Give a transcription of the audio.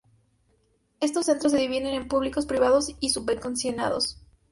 Estos centros se dividen en públicos, privados y subvencionados.